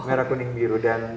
merah kuning biru